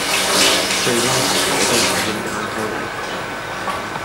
最嬲係我都已經攤開嚟講